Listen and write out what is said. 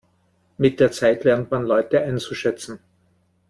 Mit der Zeit lernt man Leute einzuschätzen.